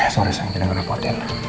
sorry saya kena berapotel